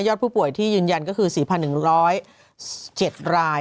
ผู้ป่วยที่ยืนยันก็คือ๔๑๐๗ราย